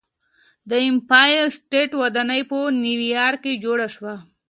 د ایمپایر سټیټ ودانۍ په نیویارک کې جوړه شوه.